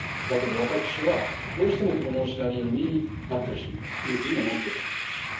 だけど私はどうしてもこのシナリオになってほしいというふうに思ってるわけです。